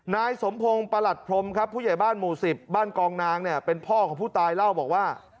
นายสมพงศ์ประหลัดพรมครับผู้ใหญ่บ้านหมู่๑๐บ้านกองนางเนี่ยเป็นพ่อของผู้ตายเล่าบอกว่า